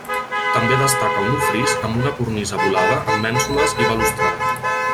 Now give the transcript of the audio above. També destaca un fris amb una cornisa volada amb mènsules i balustrada.